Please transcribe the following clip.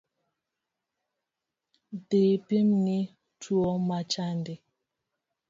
Dhi pimni tuo machandi